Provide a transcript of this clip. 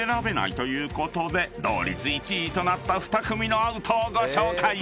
［ということで同率１位となった２組のアウトをご紹介］